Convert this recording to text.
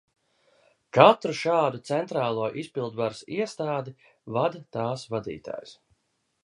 Katru šādu centrālo izpildvaras iestādi vada tās vadītājs.